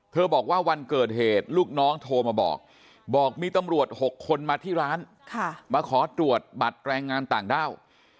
บอกว่าวันเกิดเหตุลูกน้องโทรมาบอกบอกมีตำรวจ๖คนมาที่ร้านมาขอตรวจบัตรแรงงานต่างด้าว